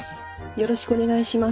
よろしくお願いします。